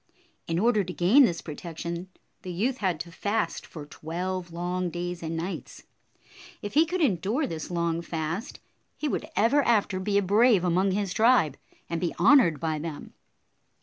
In order to gain this protection, the youth had to fast for twelve long days and nights. If he could endure this long fast, he would ever after be a brave among his tribe, and be honored by them.